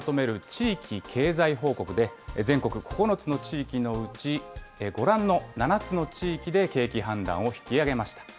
地域経済報告で、全国９つの地域のうちご覧の７つの地域で景気判断を引き上げました。